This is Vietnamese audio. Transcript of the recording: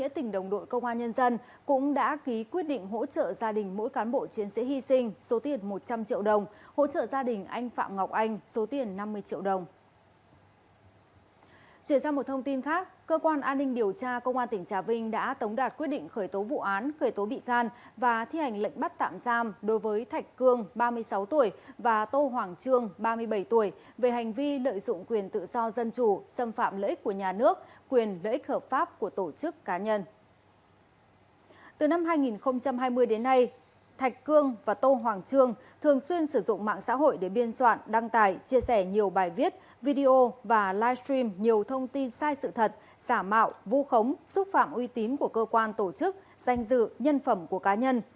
từ năm hai nghìn hai mươi đến nay thạch cương và tô hoàng trương thường xuyên sử dụng mạng xã hội để biên soạn đăng tải chia sẻ nhiều bài viết video và livestream nhiều thông tin sai sự thật xả mạo vu khống xúc phạm uy tín của cơ quan tổ chức danh dự nhân phẩm của cá nhân